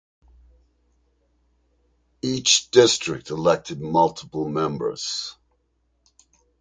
Each district elected multiple members.